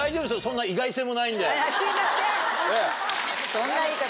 そんな言い方。